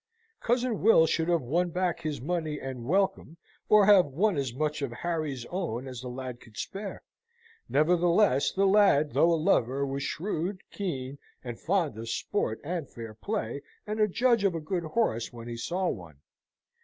Cousin Will should have won back his money and welcome, or have won as much of Harry's own as the lad could spare. Nevertheless, the lad, though a lover, was shrewd, keen, and fond of sport and fair play, and a judge of a good horse when he saw one.